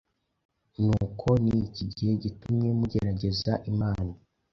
Nuko ni iki gitumye mugerageza Imana,